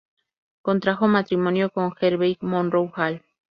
Contrajo matrimonio con Harvey Monroe Hall.